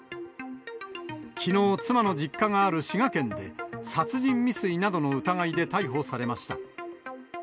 きのう、妻の実家がある滋賀県で、殺人未遂などの疑いで逮捕されました。